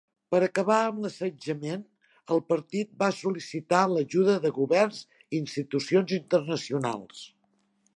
Per acabar amb l'assetjament, el partit va sol·licitar l'ajuda de governs i institucions internacionals.